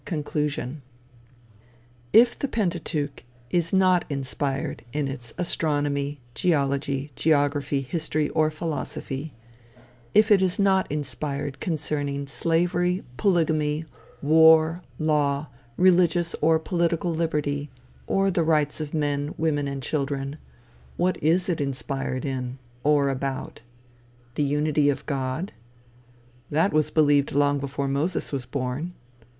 CONCLUSION If the Pentateuch is not inspired in its astronomy, geology, geography, history or philosophy, if it is not inspired concerning slavery, polygamy, war, law, religious or political liberty, or the rights of men, women and children, what is it inspired in, or about? The unity of God? that was believed long before Moses was born.